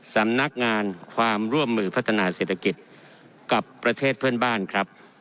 สำนักงานความร่วมมือพัฒนาเศรษฐกิจกับประเทศเพื่อนบ้านครับ